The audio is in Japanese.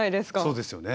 そうですよね。